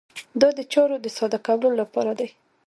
دا د چارو د ساده کولو لپاره دی.